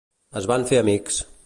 Es van fer amics.